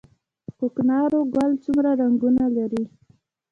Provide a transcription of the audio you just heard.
کوکنارو ګل څومره رنګونه لري؟